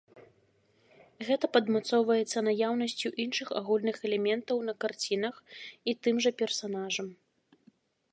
Гэта падмацоўваецца наяўнасцю іншых агульных элементаў на карцінах і тым жа персанажам.